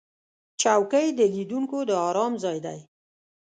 چوکۍ د لیدونکو د آرام ځای دی.